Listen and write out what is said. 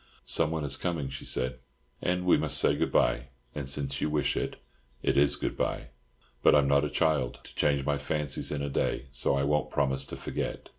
"Some one is coming," she said, "and we must say good bye; and since you wish it, it is Good bye.' But I'm not a child, to change my fancies in a day, so I won't promise to forget.